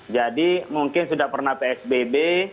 jadi mungkin sudah pernah psbb